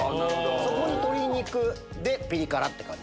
そこに鶏肉でピリ辛って感じ。